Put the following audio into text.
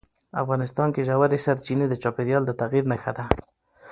افغانستان کې ژورې سرچینې د چاپېریال د تغیر نښه ده.